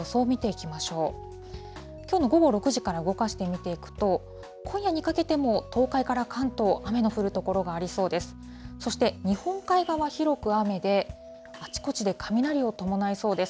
きょうの午後６時から動かして見ていくと、今夜にかけても東海から関東、雨の降る所がありそうです。